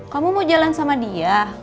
kamu mau jalan sama dia